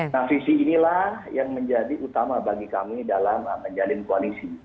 nah visi inilah yang menjadi utama bagi kami dalam menjalin koalisi